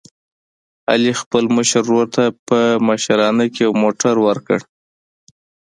علي خپل مشر ورور ته په مشرانه کې یو موټر ور کړ.